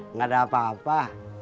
nggak ada apa apa